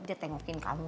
dia tengokin kamu